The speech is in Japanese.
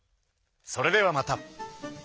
それではまた。